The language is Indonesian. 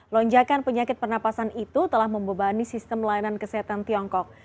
lonjakan penyakit pernapasan itu telah membebani sistem layanan kesehatan tiongkok